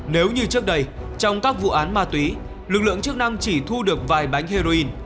nếu như trước đây trong các vụ án ma túy lực lượng chức năng chỉ thu được vài bánh heroin